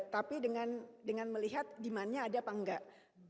tapi dengan melihat demandnya ada apa enggak